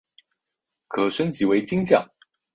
可升级为金将。